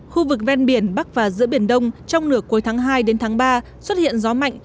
khu vực ven biển bắc và giữa biển đông trong nửa cuối tháng hai đến tháng ba xuất hiện gió mạnh